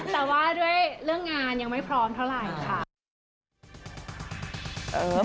แต่ว่าด้วยเรื่องงานยังไม่พร้อมเท่าไหร่ค่ะ